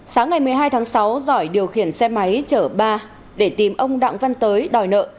sáng ngày một mươi hai tháng sáu giỏi điều khiển xe máy chở ba để tìm ông đặng văn tới đòi nợ